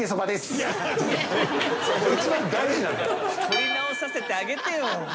撮り直させてあげてよ。